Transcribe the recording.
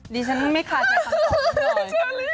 ดิฉันไม่คาใจคำตอบเลย